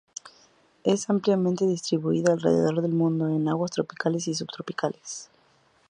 Está ampliamente distribuida alrededor del mundo, en aguas tropicales y subtropicales.